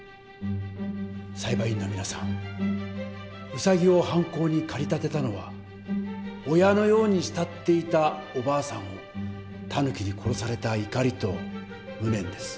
裁判員の皆さんウサギを犯行に駆り立てたのは親のように慕っていたおばあさんをタヌキに殺された怒りと無念です。